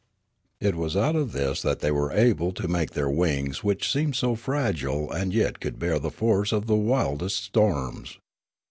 It was out of this that they were able to make their wings which seemed so fragile and yet could tear the force of the wildest storms.